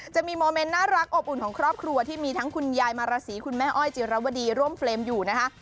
จะมีโมเมนต์น่ารักอบอุ่นของครอบครัวที่มีทั้งคุณยายมาราศีคุณแม่อ้อยจิรวดีร่วมเฟรมอยู่นะคะ